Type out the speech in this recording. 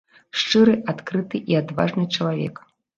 Шчыры, адкрыты і адважны чалавек.